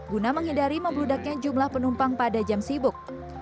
guna menghindari membludaknya jumlah penumpang pada jam sibuk